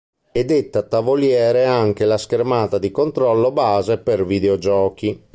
È detta tavoliere anche la schermata di controllo base per videogiochi.